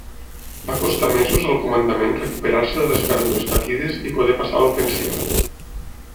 Va costar mesos al Comandament recuperar-se de les pèrdues patides i poder passar a l'ofensiva.